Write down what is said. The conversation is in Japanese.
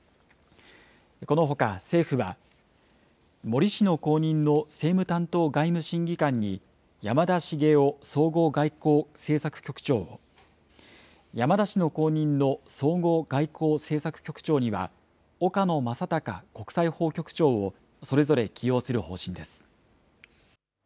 このほか、政府は、森氏の後任の政務担当外務審議官に山田重夫総合外交政策局長を、山田氏の後任の総合外交政策局長には、岡野正敬国際法局長をそれぞれ起用する方針です。